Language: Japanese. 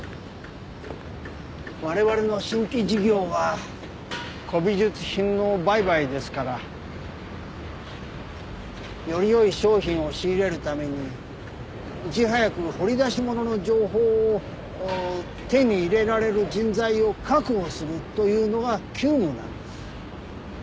我々の新規事業は古美術品の売買ですからより良い商品を仕入れるためにいち早く掘り出し物の情報を手に入れられる人材を確保するというのが急務なんです。